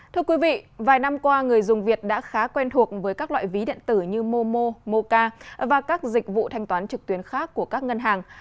thưa quý vị vài năm qua người dùng việt đã khá quen thuộc với các loại ví điện tử như momo moca và các dịch vụ thanh toán trực tuyến khác của các ngân hàng